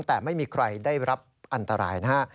แต่ไม่มีใครได้รับอันตรายนะฮะ